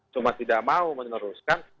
cuma tidak mau meneruskan